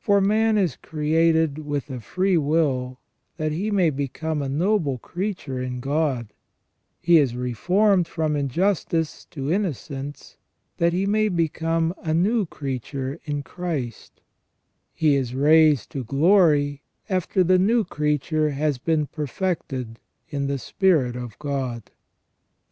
For man is created with a free will that he may become a noble creature in God ; he is reformed from injustice to innocence that he may become a new creature in Christ ; he is raised to glory after the new creature has been perfected in the Spirit of God.